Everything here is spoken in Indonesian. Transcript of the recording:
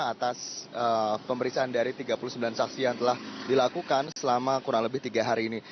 atas pemeriksaan dari tiga puluh sembilan saksi yang telah dilakukan selama kurang lebih tiga hari ini